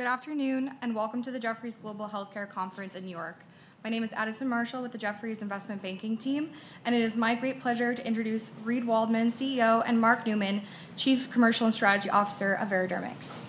Good afternoon, and welcome to the Jefferies Global Healthcare Conference in New York. My name is Addison Marshall with the Jefferies Investment Banking team, and it is my great pleasure to introduce Reid Waldman, CEO, and Mark Neumann, Chief Commercial and Strategy Officer of Veradermics.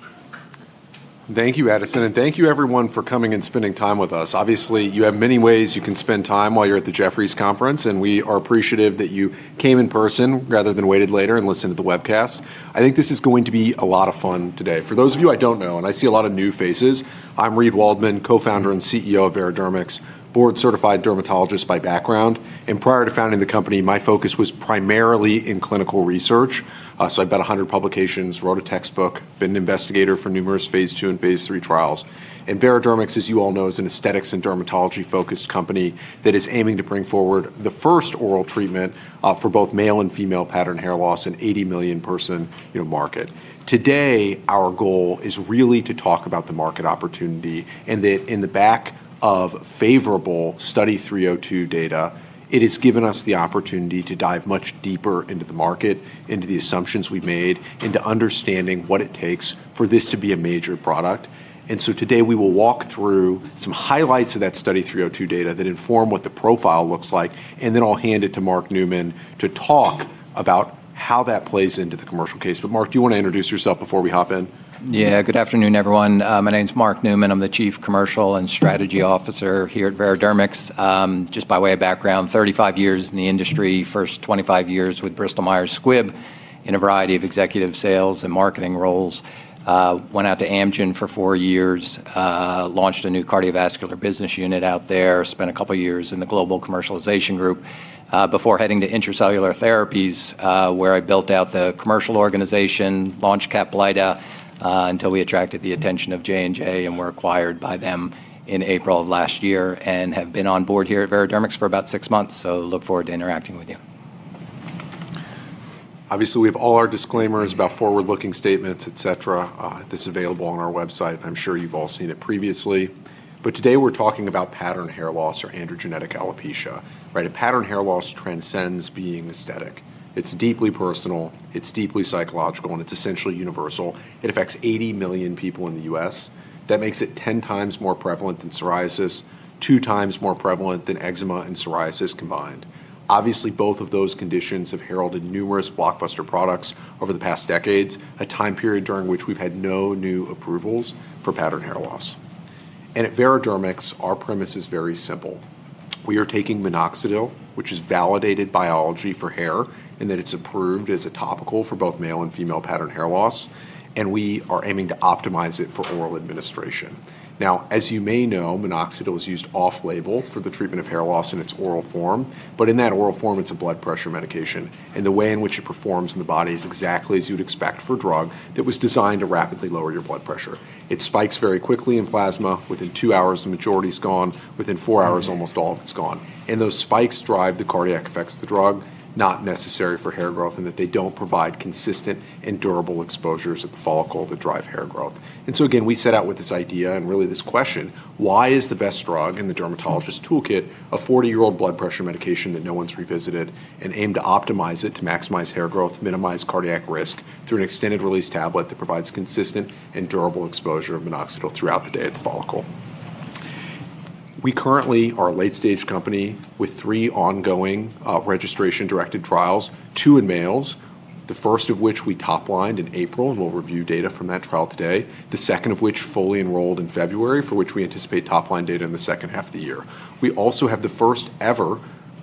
Thank you, Addison, and thank you, everyone, for coming and spending time with us. Obviously, you have many ways you can spend time while you're at the Jefferies Conference, and we are appreciative that you came in person rather than waited later and listened to the webcast. I think this is going to be a lot of fun today. For those of you I don't know, and I see a lot of new faces, I'm Reid Waldman, co-founder and CEO of Veradermics, board-certified dermatologist by background. Prior to founding the company, my focus was primarily in clinical research. I have about 100 publications, wrote a textbook, been an investigator for numerous Phase II and Phase III trials. Veradermics, as you all know, is an aesthetics and dermatology-focused company that is aiming to bring forward the first oral treatment for both male and female pattern hair loss in 80 million-person market. Today, our goal is really to talk about the market opportunity, and that in the back of favorable Study 302 data, it has given us the opportunity to dive much deeper into the market, into the assumptions we've made, into understanding what it takes for this to be a major product. Today we will walk through some highlights of that Study 302 data that inform what the profile looks like, then I'll hand it to Mark Neumann to talk about how that plays into the commercial case. Mark, do you want to introduce yourself before we hop in? Good afternoon, everyone. My name's Mark Neumann. I'm the Chief Commercial and Strategy Officer here at Veradermics. By way of background, 35 years in the industry. First 25 years with Bristol Myers Squibb in a variety of executive sales and marketing roles. Went out to Amgen for four years. Launched a new cardiovascular business unit out there. Spent a couple of years in the global commercialization group, before heading to Intra-Cellular Therapies, where I built out the commercial organization, launched CAPLYTA, until we attracted the attention of J&J and were acquired by them in April of last year and have been on board here at Veradermics for about six months. Look forward to interacting with you. Obviously, we have all our disclaimers about forward-looking statements, et cetera. This is available on our website. I'm sure you've all seen it previously. Today we're talking about pattern hair loss or androgenetic alopecia. Right. Pattern hair loss transcends being aesthetic. It's deeply personal, it's deeply psychological, and it's essentially universal. It affects 80 million people in the U.S. That makes it 10x more prevalent than psoriasis, two times more prevalent than eczema and psoriasis combined. Obviously, both of those conditions have heralded numerous blockbuster products over the past decades, a time period during which we've had no new approvals for pattern hair loss. At Veradermics, our premise is very simple. We are taking minoxidil, which is validated biology for hair, and that it's approved as a topical for both male and female pattern hair loss, and we are aiming to optimize it for oral administration. Now, as you may know, minoxidil is used off label for the treatment of hair loss in its oral form. In that oral form, it's a blood pressure medication, and the way in which it performs in the body is exactly as you'd expect for a drug that was designed to rapidly lower your blood pressure. It spikes very quickly in plasma. Within two hours, the majority's gone. Within four hours, almost all of it's gone. Those spikes drive the cardiac effects of the drug, not necessary for hair growth, and that they don't provide consistent and durable exposures at the follicle that drive hair growth. Again, we set out with this idea and really this question, why is the best drug in the dermatologist's toolkit a 40-year-old blood pressure medication that no one's revisited, and aim to optimize it to maximize hair growth, minimize cardiac risk through an extended-release tablet that provides consistent and durable exposure of minoxidil throughout the day at the follicle. We currently are a late-stage company with three ongoing registration directed trials, two in males, the first of which we top-lined in April. We'll review data from that trial today. The second of which fully enrolled in February, for which we anticipate top-line data in the second half of the year. We also have the first ever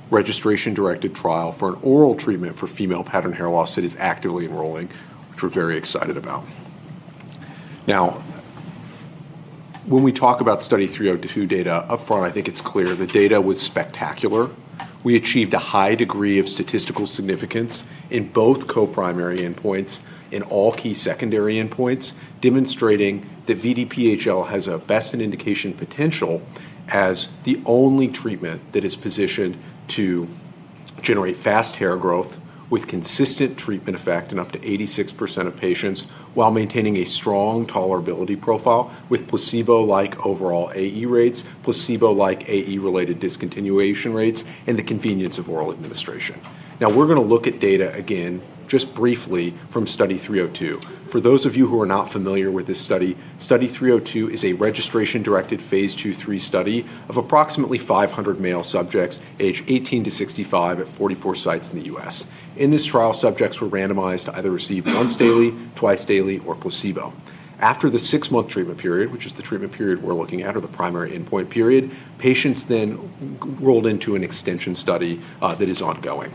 registration directed trial for an oral treatment for female pattern hair loss that is actively enrolling, which we're very excited about. When we talk about Study 302 data, up front, I think it's clear the data was spectacular. We achieved a high degree of statistical significance in both co-primary endpoints, in all key secondary endpoints, demonstrating that VDPHL has a best-in-indication potential as the only treatment that is positioned to generate fast hair growth with consistent treatment effect in up to 86% of patients while maintaining a strong tolerability profile with placebo-like overall AE rates, placebo-like AE related discontinuation rates, and the convenience of oral administration. We're going to look at data again just briefly from Study 302. For those of you who are not familiar with this study, Study 302 is a registration directed phase II/III study of approximately 500 male subjects aged 18 to 65 at 44 sites in the U.S. In this trial, subjects were randomized to either receive once daily, twice daily, or placebo. After the six-month treatment period, which is the treatment period we're looking at or the primary endpoint period, patients then rolled into an extension study that is ongoing.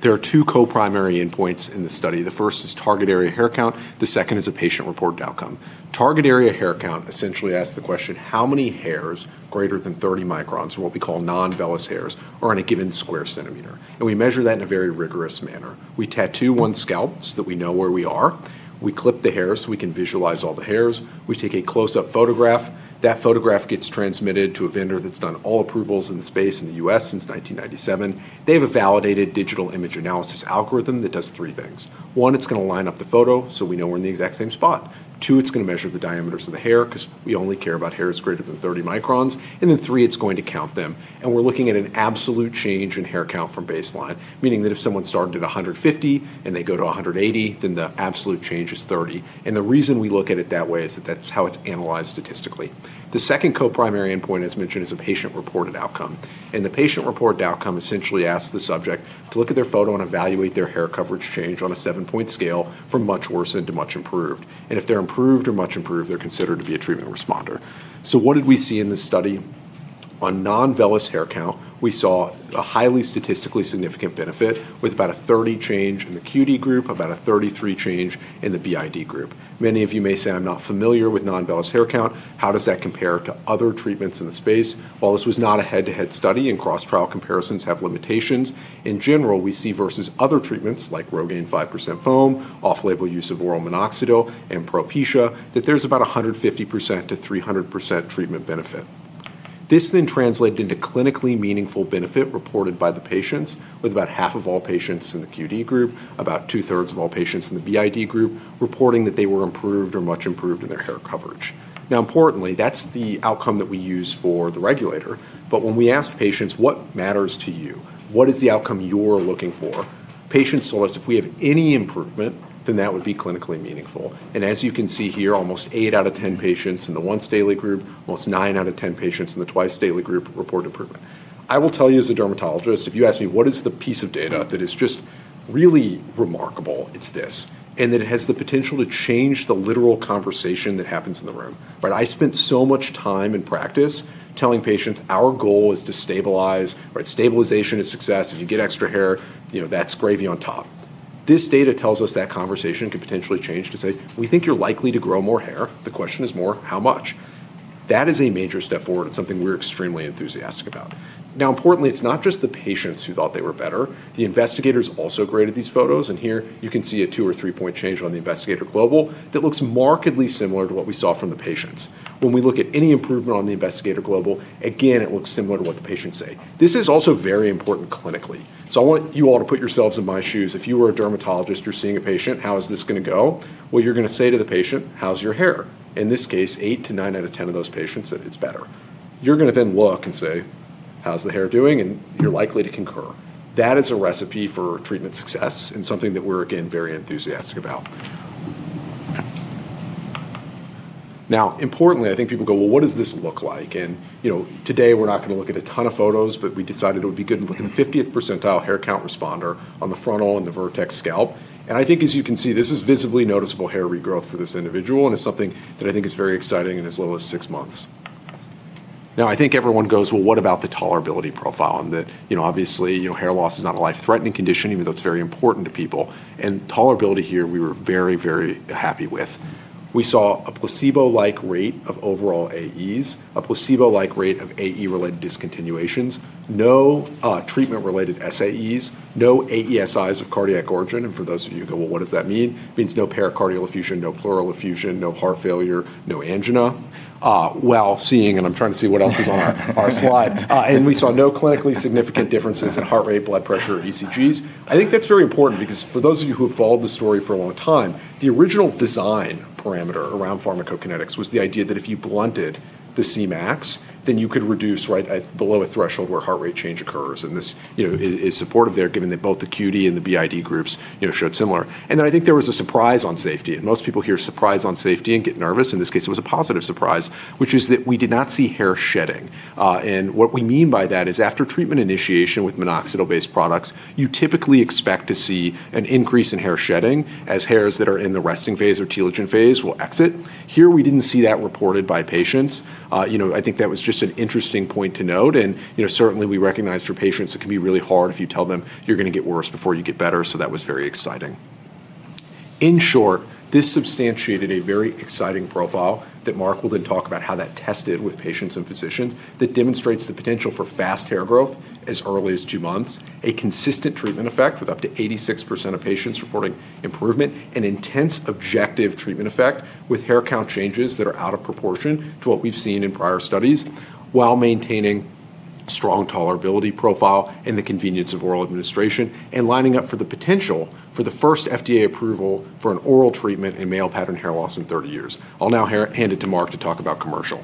There are two co-primary endpoints in the study. The first is Target Area Hair Count. The second is a Patient-Reported Outcome. Target Area Hair Count essentially asks the question, how many hairs greater than 30 microns, or what we call non-vellus hairs, are on a given square centimeter? We measure that in a very rigorous manner. We tattoo one scalp so that we know where we are. We clip the hair so we can visualize all the hairs. We take a close-up photograph. That photograph gets transmitted to a vendor that's done all approvals in the space in the U.S. since 1997. They have a validated digital image analysis algorithm that does three things. One, it's going to line up the photo so we know we're in the exact same spot. Two, it's going to measure the diameters of the hair because we only care about hairs greater than 30 microns. Three, it's going to count them. We're looking at an absolute change in hair count from baseline, meaning that if someone started at 150 and they go to 180, then the absolute change is 30. The reason we look at it that way is that that's how it's analyzed statistically. The second co-primary endpoint, as mentioned, is a Patient-Reported Outcome. The Patient-Reported Outcome essentially asks the subject to look at their photo and evaluate their hair coverage change on a seven-point scale from much worse into much improved. If they're improved or much improved, they're considered to be a treatment responder. What did we see in this study? On non-vellus hair count, we saw a highly statistically significant benefit with about a 30% change in the QD group, about a 33% change in the BID group. Many of you may say, I'm not familiar with non-vellus hair count. How does that compare to other treatments in the space? While this was not a head-to-head study and cross-trial comparisons have limitations, in general, we see versus other treatments like ROGAINE 5% foam, off-label use of oral minoxidil, and PROPECIA, that there's about 150%-300% treatment benefit. This translated into clinically meaningful benefit reported by the patients, with about half of all patients in the QD group, about 2/3 of all patients in the BID group, reporting that they were improved or much improved in their hair coverage. Importantly, that's the outcome that we use for the regulator. When we asked patients, what matters to you? What is the outcome you're looking for? Patients told us if we have any improvement, then that would be clinically meaningful. As you can see here, almost eight out of 10 patients in the once daily group, almost nine out of 10 patients in the twice daily group, report improvement. I will tell you as a dermatologist, if you ask me what is the piece of data that is just really remarkable, it's this, and that it has the potential to change the literal conversation that happens in the room. I spent so much time in practice telling patients our goal is to stabilize. Stabilization is success. If you get extra hair, that's gravy on top. This data tells us that conversation could potentially change to say, we think you're likely to grow more hair. The question is more, how much? That is a major step forward. It's something we're extremely enthusiastic about. Importantly, it's not just the patients who thought they were better. The investigators also graded these photos. Here you can see a two or three point change on the Investigator Global that looks markedly similar to what we saw from the patients. When we look at any improvement on the Investigator Global, again, it looks similar to what the patients say. This is also very important clinically. I want you all to put yourselves in my shoes. If you were a dermatologist, you're seeing a patient, how is this going to go? You're going to say to the patient, how's your hair? In this case, eight to nine out of 10 of those patients said it's better. You're going to then look and say, how's the hair doing? You're likely to concur. That is a recipe for treatment success and something that we're, again, very enthusiastic about. Importantly, I think people go, well, what does this look like? Today we're not going to look at a ton of photos, but we decided it would be good to look at the 50th percentile hair count responder on the frontal and the vertex scalp. I think, as you can see, this is visibly noticeable hair regrowth for this individual, and it's something that I think is very exciting in as little as six months. I think everyone goes, well, what about the tolerability profile? Obviously, hair loss is not a life-threatening condition, even though it's very important to people. Tolerability here, we were very, very happy with. We saw a placebo-like rate of overall AEs, a placebo-like rate of AE-related discontinuations, no treatment related SAEs, no AESIs of cardiac origin. For those of you who go, well, what does that mean? It means no pericardial effusion, no pleural effusion, no heart failure, no angina. While seeing, I'm trying to see what else is on our slide. We saw no clinically significant differences in heart rate, blood pressure, or ECGs. I think that's very important because for those of you who have followed the story for a long time, the original design parameter around pharmacokinetics was the idea that if you blunted the Cmax, then you could reduce below a threshold where heart rate change occurs. This is supported there, given that both the QD and the BID groups showed similar. I think there was a surprise on safety, and most people hear surprise on safety and get nervous. In this case, it was a positive surprise, which is that we did not see hair shedding. What we mean by that is after treatment initiation with minoxidil-based products, you typically expect to see an increase in hair shedding as hairs that are in the resting phase or telogen phase will exit. Here, we didn't see that reported by patients. I think that was just an interesting point to note, and certainly we recognize for patients it can be really hard if you tell them, you're going to get worse before you get better. That was very exciting. In short, this substantiated a very exciting profile that Mark will then talk about how that tested with patients and physicians that demonstrates the potential for fast hair growth as early as two months, a consistent treatment effect with up to 86% of patients reporting improvement, an intense objective treatment effect with hair count changes that are out of proportion to what we've seen in prior studies while maintaining strong tolerability profile and the convenience of oral administration, and lining up for the potential for the first FDA approval for an oral treatment in male pattern hair loss in 30 years. I'll now hand it to Mark to talk about commercial.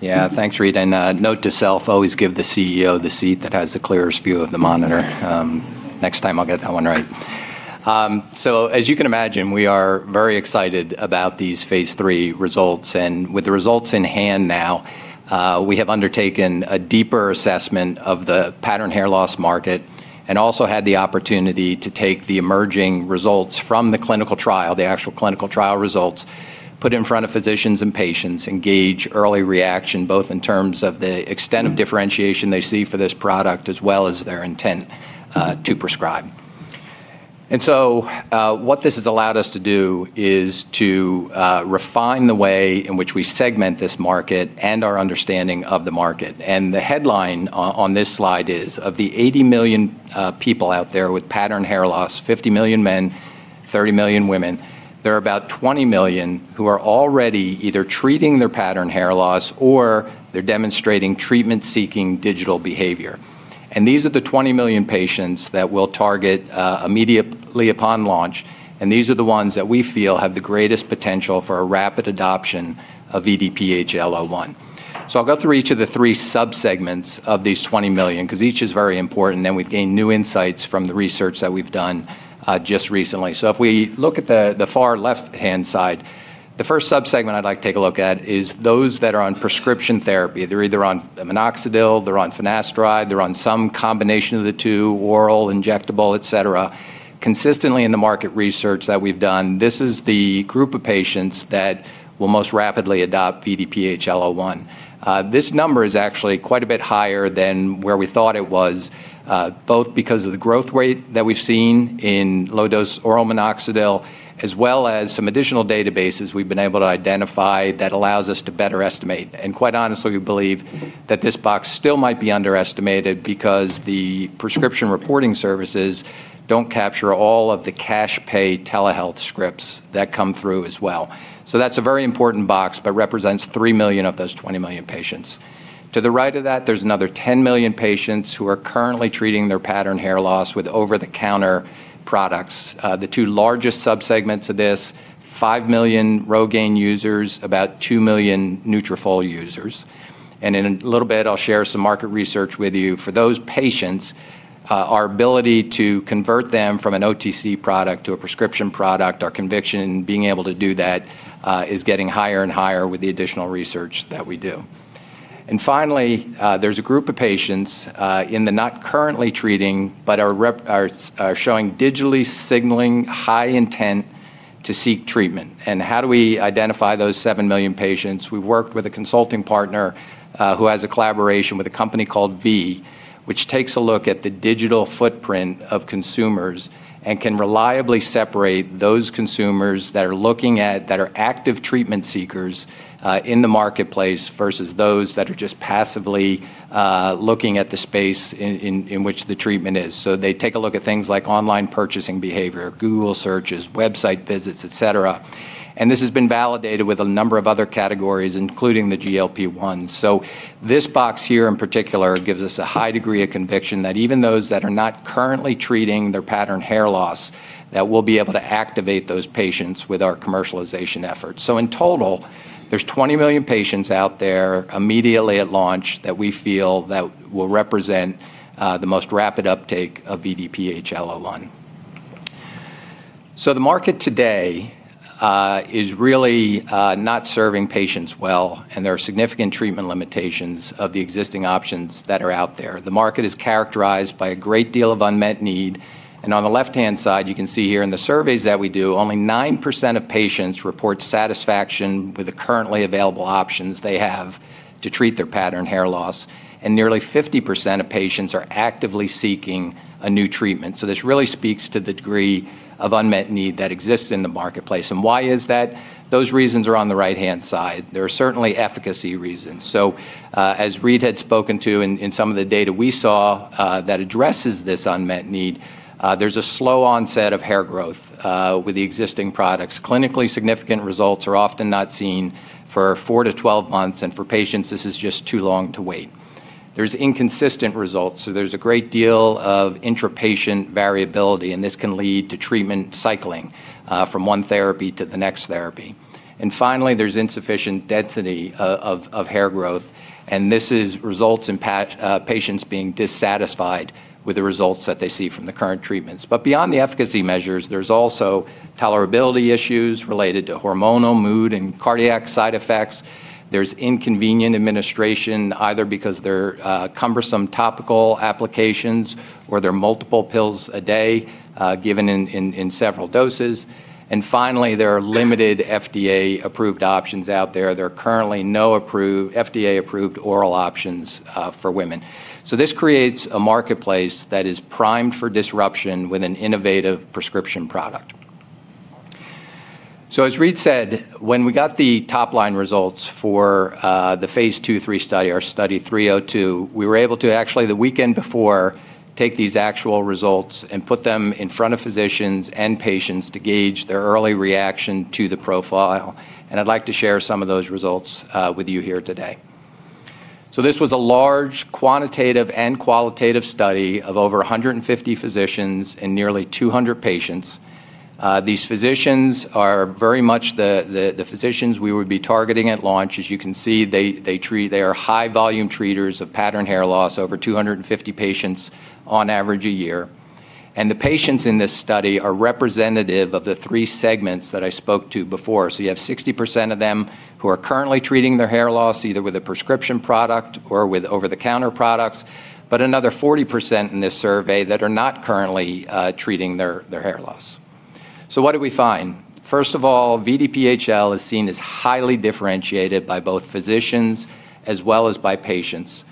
Thanks, Reid. Note to self, always give the CEO the seat that has the clearest view of the monitor. Next time I'll get that one right. As you can imagine, we are very excited about these phase III results. With the results in hand now, we have undertaken a deeper assessment of the pattern hair loss market and also had the opportunity to take the emerging results from the clinical trial, the actual clinical trial results, put it in front of physicians and patients, engage early reaction, both in terms of the extent of differentiation they see for this product, as well as their intent to prescribe. What this has allowed us to do is to refine the way in which we segment this market and our understanding of the market. The headline on this slide is, of the 80 million people out there with pattern hair loss, 50 million men, 30 million women, there are about 20 million who are already either treating their pattern hair loss or they're demonstrating treatment-seeking digital behavior. These are the 20 million patients that we'll target immediately upon launch, and these are the ones that we feel have the greatest potential for a rapid adoption of VDPHL01. I'll go through each of the three subsegments of these 20 million, because each is very important, and we've gained new insights from the research that we've done just recently. If we look at the far left-hand side, the first subsegment I'd like to take a look at is those that are on prescription therapy. They're either on minoxidil, they're on finasteride, they're on some combination of the two, oral, injectable, et cetera. Consistently in the market research that we've done, this is the group of patients that will most rapidly adopt VDPHL01.This number is actually quite a bit higher than where we thought it was, both because of the growth rate that we've seen in low-dose oral minoxidil, as well as some additional databases we've been able to identify that allows us to better estimate. Quite honestly, we believe that this box still might be underestimated because the prescription reporting services don't capture all of the cash pay telehealth scripts that come through as well. That's a very important box, but represents 3 million of those 20 million patients. To the right of that, there's another 10 million patients who are currently treating their pattern hair loss with over-the-counter products. The two largest subsegments of this, 5 million ROGAINE users, about 2 million Nutrafol users. In a little bit, I'll share some market research with you. For those patients, our ability to convert them from an OTC product to a prescription product, our conviction in being able to do that, is getting higher and higher with the additional research that we do. Finally, there's a group of patients in the not currently treating, but are showing digitally signaling high intent to seek treatment. How do we identify those seven million patients? We've worked with a consulting partner who has a collaboration with a company called V, which takes a look at the digital footprint of consumers and can reliably separate those consumers that are looking at, that are active treatment seekers in the marketplace, versus those that are just passively looking at the space in which the treatment is. They take a look at things like online purchasing behavior, Google searches, website visits, et cetera. This has been validated with a number of other categories, including the GLP-1s. This box here in particular gives us a high degree of conviction that even those that are not currently treating their pattern hair loss, that we'll be able to activate those patients with our commercialization efforts. In total, there's 20 million patients out there immediately at launch that we feel that will represent the most rapid uptake of VDPHL01. The market today is really not serving patients well, and there are significant treatment limitations of the existing options that are out there. The market is characterized by a great deal of unmet need. On the left-hand side, you can see here in the surveys that we do, only 9% of patients report satisfaction with the currently available options they have to treat their pattern hair loss. Nearly 50% of patients are actively seeking a new treatment. This really speaks to the degree of unmet need that exists in the marketplace. Why is that? Those reasons are on the right-hand side. There are certainly efficacy reasons. As Reid had spoken to in some of the data we saw that addresses this unmet need, there's a slow onset of hair growth with the existing products. Clinically significant results are often not seen for 4-12 months. For patients, this is just too long to wait. There's inconsistent results, so there's a great deal of intra-patient variability, and this can lead to treatment cycling from one therapy to the next therapy. Finally, there's insufficient density of hair growth, and this results in patients being dissatisfied with the results that they see from the current treatments. Beyond the efficacy measures, there's also tolerability issues related to hormonal, mood, and cardiac side effects. There's inconvenient administration, either because they're cumbersome topical applications or they're multiple pills a day given in several doses. Finally, there are limited FDA-approved options out there. There are currently no FDA-approved oral options for women. This creates a marketplace that is primed for disruption with an innovative prescription product. As Reid said, when we got the top-line results for the Phase II/III study, our Study 302, we were able to actually, the weekend before, take these actual results and put them in front of physicians and patients to gauge their early reaction to the profile. I'd like to share some of those results with you here today. This was a large quantitative and qualitative study of over 150 physicians and nearly 200 patients. These physicians are very much the physicians we would be targeting at launch. As you can see, they are high volume treaters of pattern hair loss, over 250 patients on average a year. The patients in this study are representative of the three segments that I spoke to before. You have 60% of them who are currently treating their hair loss, either with a prescription product or with over-the-counter products, but another 40% in this survey that are not currently treating their hair loss. What did we find? First of all, VDPHL01 is seen as highly differentiated by both physicians as well as by patients.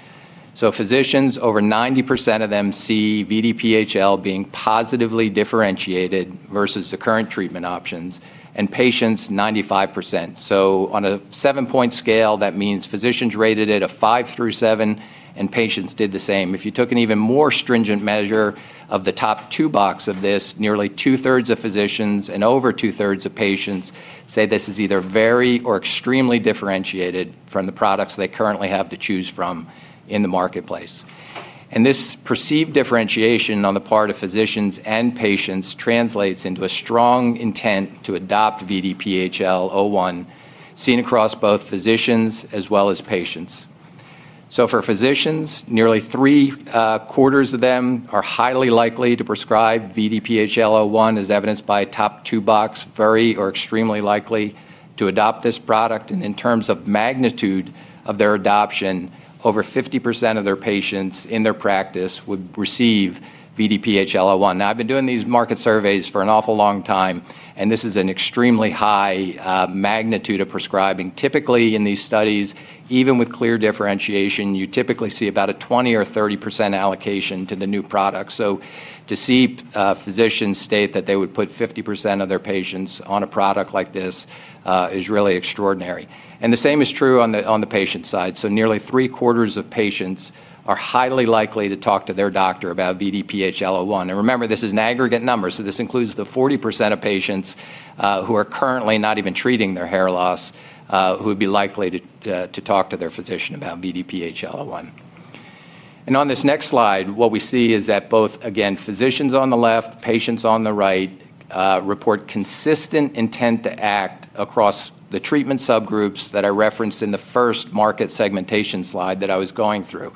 Physicians, over 90% of them see VDPHL01 being positively differentiated versus the current treatment options, and patients, 95%. On a seven-point scale, that means physicians rated it a five through seven, and patients did the same. If you took an even more stringent measure of the top two box of this, nearly two-thirds of physicians and over two-thirds of patients say this is either very or extremely differentiated from the products they currently have to choose from in the marketplace. This perceived differentiation on the part of physicians and patients translates into a strong intent to adopt VDPHL01, seen across both physicians as well as patients. For physicians, nearly three-quarters of them are highly likely to prescribe VDPHL01, as evidenced by top two box, very or extremely likely to adopt this product. In terms of magnitude of their adoption, over 50% of their patients in their practice would receive VDPHL01. Now, I've been doing these market surveys for an awful long time, and this is an extremely high magnitude of prescribing. Typically, in these studies, even with clear differentiation, you typically see about a 20% or 30% allocation to the new product. To see physicians state that they would put 50% of their patients on a product like this is really extraordinary. The same is true on the patient side. Nearly 3/4 of patients are highly likely to talk to their doctor about VDPHL01. Remember, this is an aggregate number, this includes the 40% of patients who are currently not even treating their hair loss who would be likely to talk to their physician about VDPHL01. On this next slide, what we see is that both, again, physicians on the left, patients on the right, report consistent intent to act across the treatment subgroups that I referenced in the first market segmentation slide that I was going through.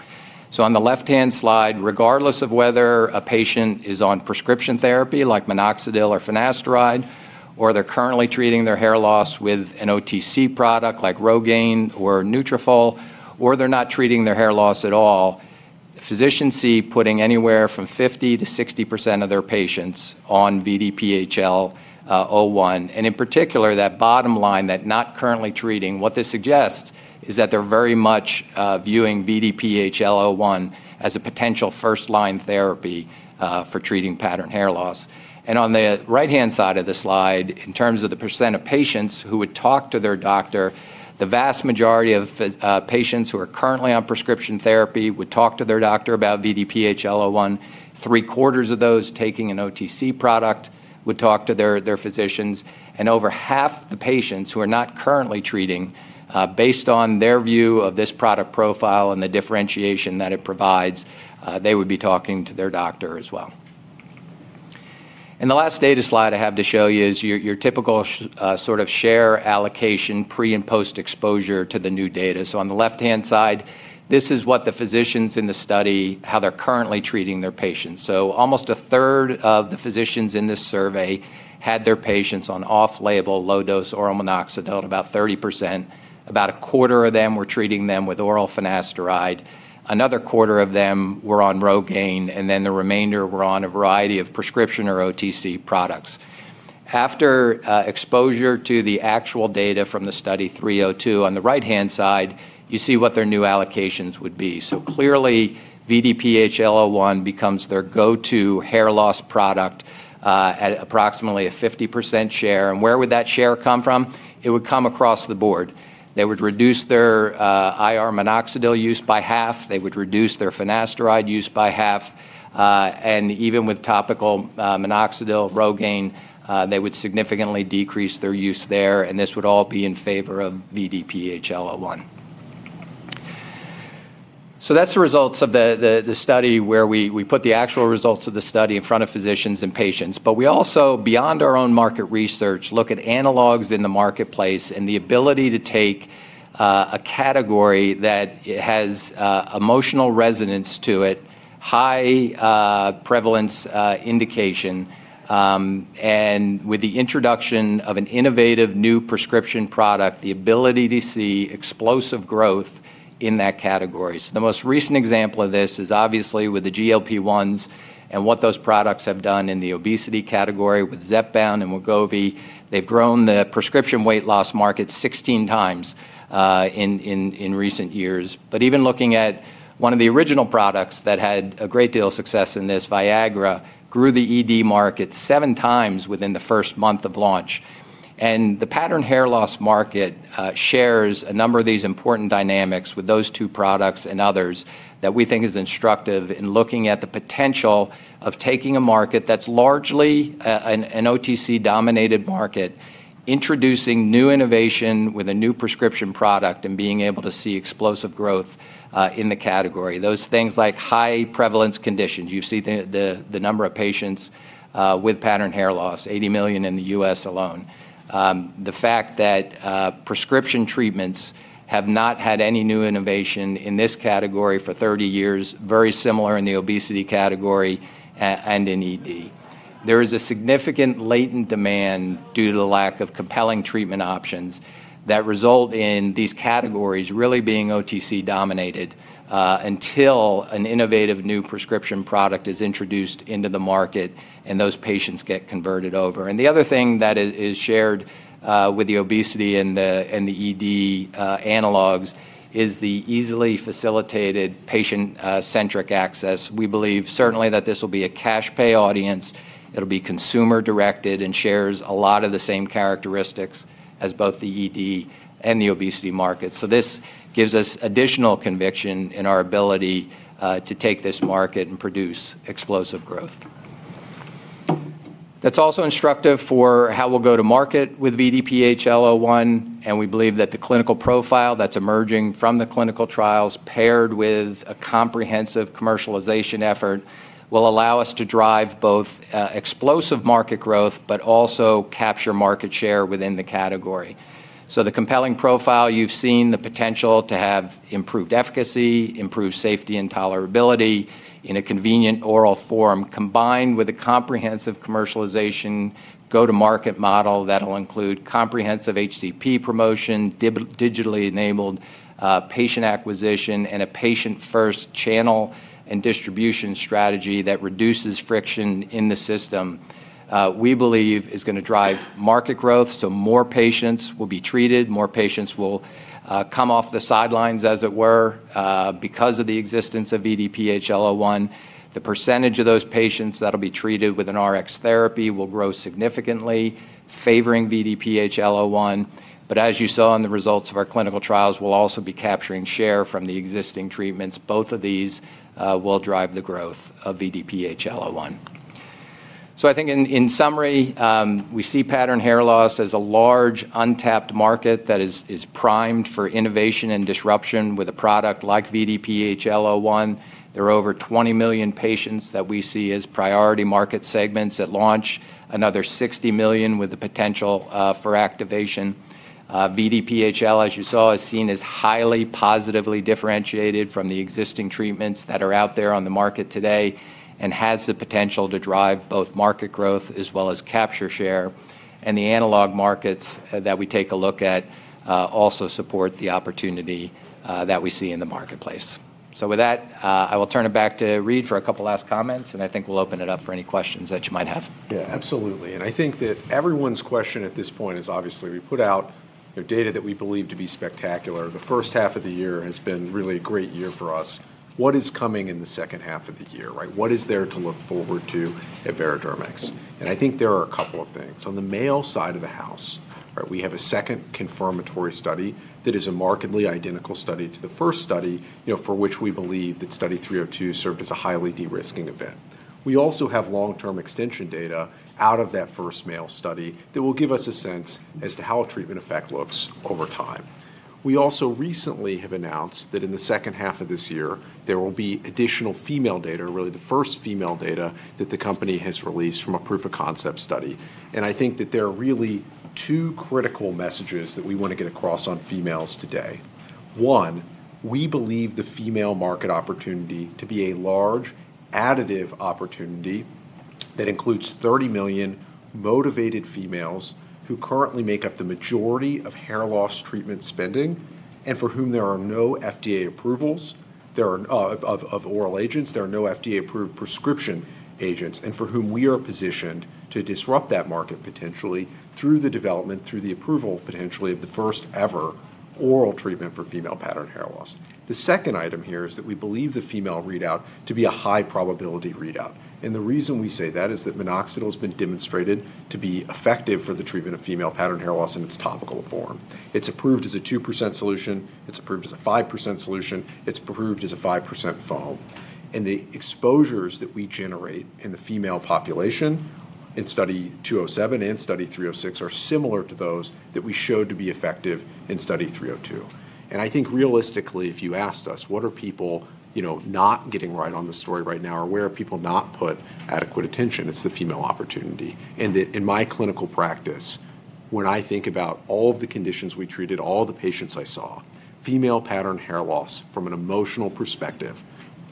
On the left-hand slide, regardless of whether a patient is on prescription therapy like minoxidil or finasteride, or they're currently treating their hair loss with an OTC product like ROGAINE or Nutrafol, or they're not treating their hair loss at all, physicians see putting anywhere from 50% to 60% of their patients on VDPHL01. In particular, that bottom line, that not currently treating, what this suggests is that they're very much viewing VDPHL01 as a potential first-line therapy for treating pattern hair loss. On the right-hand side of the slide, in terms of the % of patients who would talk to their doctor, the vast majority of patients who are currently on prescription therapy would talk to their doctor about VDPHL01. Three-quarters of those taking an OTC product would talk to their physicians, and over 1/2 the patients who are not currently treating, based on their view of this product profile and the differentiation that it provides, they would be talking to their doctor as well. The last data slide I have to show you is your typical share allocation pre- and post-exposure to the new data. On the left-hand side, this is what the physicians in the study, how they are currently treating their patients. Almost 1/3 of the physicians in this survey had their patients on off-label low-dose oral minoxidil, about 30%. About 1/4 of them were treating them with oral finasteride. Another 1/4 of them were on ROGAINE, and then the remainder were on a variety of prescription or OTC products. After exposure to the actual data from the Study 302, on the right-hand side, you see what their new allocations would be. Clearly, VDPHL01 becomes their go-to hair loss product at approximately a 50% share. Where would that share come from? It would come across the board. They would reduce their IR minoxidil use by half. They would reduce their finasteride use by half. Even with topical minoxidil, ROGAINE, they would significantly decrease their use there, and this would all be in favor of VDPHL01. That's the results of the study where we put the actual results of the study in front of physicians and patients. We also, beyond our own market research, look at analogs in the marketplace and the ability to take a category that has emotional resonance to it, high prevalence indication, and with the introduction of an innovative new prescription product, the ability to see explosive growth in that category. The most recent example of this is obviously with the GLP-1s and what those products have done in the obesity category with Zepbound and Wegovy. They've grown the prescription weight loss market 16x in recent years. Even looking at one of the original products that had a great deal of success in this, Viagra grew the ED market seven times within the first month of launch. The pattern hair loss market shares a number of these important dynamics with those two products and others that we think is instructive in looking at the potential of taking a market that's largely an OTC-dominated market, introducing new innovation with a new prescription product, and being able to see explosive growth in the category. Those things like high prevalence conditions. You see the number of patients with pattern hair loss, 80 million in the U.S. alone. The fact that prescription treatments have not had any new innovation in this category for 30 years, very similar in the obesity category and in ED There is a significant latent demand due to the lack of compelling treatment options that result in these categories really being OTC dominated until an innovative new prescription product is introduced into the market and those patients get converted over. The other thing that is shared with the obesity and the ED analogs is the easily facilitated patient-centric access. We believe certainly that this will be a cash pay audience. It'll be consumer directed and shares a lot of the same characteristics as both the ED and the obesity market. This gives us additional conviction in our ability to take this market and produce explosive growth. That's also instructive for how we'll go to market with VDPHL01. We believe that the clinical profile that's emerging from the clinical trials paired with a comprehensive commercialization effort will allow us to drive both explosive market growth, but also capture market share within the category. The compelling profile you've seen, the potential to have improved efficacy, improved safety and tolerability in a convenient oral form, combined with a comprehensive commercialization go-to-market model that'll include comprehensive HCP promotion, digitally enabled patient acquisition, and a patient-first channel and distribution strategy that reduces friction in the system. We believe is going to drive market growth. More patients will be treated, more patients will come off the sidelines, as it were, because of the existence of VDPHL01. The percentage of those patients that will be treated with an Rx therapy will grow significantly, favoring VDPHL01. As you saw in the results of our clinical trials, we'll also be capturing share from the existing treatments. Both of these will drive the growth of VDPHL01. I think in summary, we see pattern hair loss as a large, untapped market that is primed for innovation and disruption with a product like VDPHL01. There are over 20 million patients that we see as priority market segments at launch, another 60 million with the potential for activation. VDP-HL, as you saw, is seen as highly positively differentiated from the existing treatments that are out there on the market today and has the potential to drive both market growth as well as capture share. The analog markets that we take a look at also support the opportunity that we see in the marketplace. With that, I will turn it back to Reid for a couple last comments, and I think we'll open it up for any questions that you might have. Yeah, absolutely. I think that everyone's question at this point is obviously we put out data that we believe to be spectacular. The first half of the year has been really a great year for us. What is coming in the second half of the year, right? What is there to look forward to at Veradermics? I think there are a couple of things. On the male side of the house, we have a second confirmatory study that is a markedly identical study to the first study, for which we believe that Study 302 served as a highly de-risking event. We also have long-term extension data out of that first male study that will give us a sense as to how a treatment effect looks over time. We also recently have announced that in the second half of this year, there will be additional female data, really the first female data that the company has released from a proof of concept study. I think that there are really two critical messages that we want to get across on females today. One, we believe the female market opportunity to be a large additive opportunity that includes 30 million motivated females who currently make up the majority of hair loss treatment spending, and for whom there are no FDA approvals of oral agents, there are no FDA-approved prescription agents. For whom we are positioned to disrupt that market potentially through the development, through the approval, potentially, of the first ever oral treatment for female pattern hair loss. The second item here is that we believe the female readout to be a high probability readout. The reason we say that is that minoxidil has been demonstrated to be effective for the treatment of female pattern hair loss in its topical form. It's approved as a 2% solution, it's approved as a 5% solution, it's approved as a 5% foam. The exposures that we generate in the female population in Study 207 and Study 306 are similar to those that we showed to be effective in Study 302. I think realistically, if you asked us, what are people not getting right on the story right now, or where are people not put adequate attention, it's the female opportunity. That in my clinical practice, when I think about all of the conditions we treated, all the patients I saw, female pattern hair loss from an emotional perspective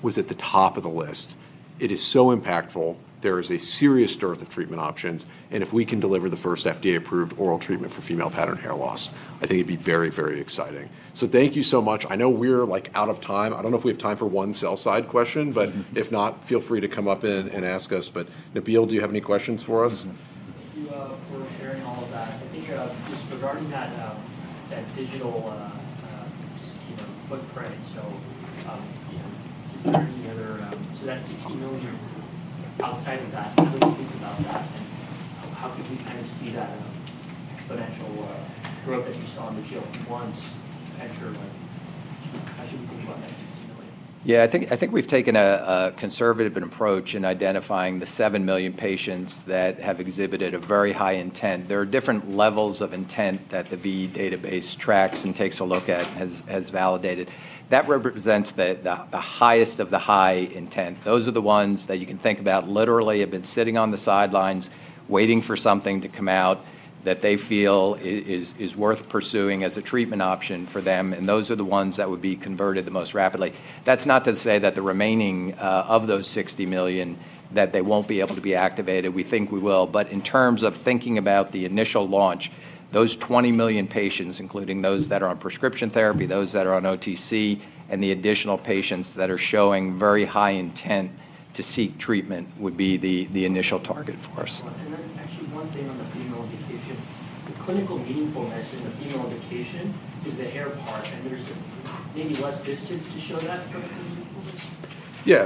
was at the top of the list. It is so impactful. There is a serious dearth of treatment options. If we can deliver the first FDA-approved oral treatment for female pattern hair loss, I think it'd be very, very exciting. Thank you so much. I know we're out of time. I don't know if we have time for one sell-side question, but if not, feel free to come up and ask us. Nabil, do you have any questions for us? Thank you for sharing all of that. I think just regarding that digital footprint, that 60 million outside of that, what do you think about that? How could we see that exponential growth that you saw in the GLP-1s? How should we think about that 60 million? Yeah, I think we've taken a conservative approach in identifying the 7 million patients that have exhibited a very high intent. There are different levels of intent that the V database tracks and takes a look at, has validated. That represents the highest of the high intent. Those are the ones that you can think about literally have been sitting on the sidelines waiting for something to come out that they feel is worth pursuing as a treatment option for them. Those are the ones that would be converted the most rapidly. That's not to say that the remaining of those 60 million, that they won't be able to be activated. We think we will. In terms of thinking about the initial launch, those 20 million patients, including those that are on prescription therapy, those that are on OTC, and the additional patients that are showing very high intent to seek treatment would be the initial target for us. Actually one thing on the female indication. The clinical meaningfulness in the female indication is the hair part, and there's maybe less distance to show that clinical meaningfulness. Yeah.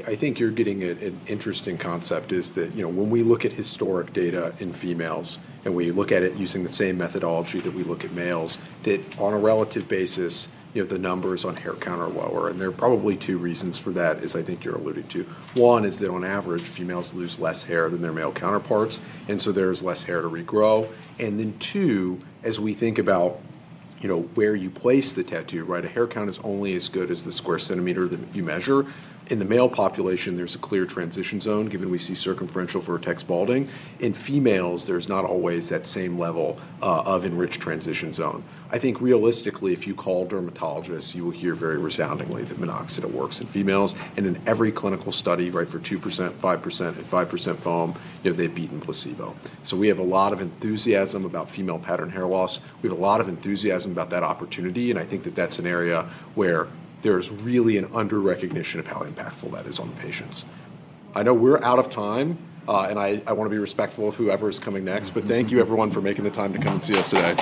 I think you're getting at an interesting concept is that when we look at historic data in females, and we look at it using the same methodology that we look at males, that on a relative basis, the numbers on hair count are lower. There are probably two reasons for that, as I think you're alluding to. One is that on average, females lose less hair than their male counterparts, and so there's less hair to regrow. Then two, as we think about where you place the tattoo, right, a hair count is only as good as the square centimeter that you measure. In the male population, there's a clear transition zone given we see circumferential vertex balding. In females, there's not always that same level of enriched transition zone. I think realistically, if you call dermatologists, you will hear very resoundingly that minoxidil works in females. In every clinical study, right, for 2%, 5% and 5% foam, they've beaten placebo. We have a lot of enthusiasm about female pattern hair loss. We have a lot of enthusiasm about that opportunity, and I think that that's an area where there's really an under-recognition of how impactful that is on the patients. I know we're out of time, and I want to be respectful of whoever is coming next, but thank you everyone for making the time to come and see us today.